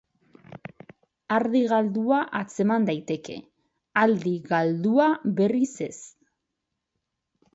Ardi galdua atzeman daiteke, aldi galdua berriz ez.